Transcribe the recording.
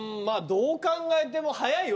まあどう考えても。